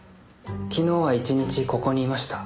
昨日は１日ここにいました。